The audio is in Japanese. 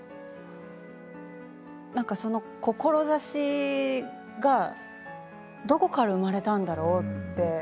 なんかその志がどこから生まれたんだろうって。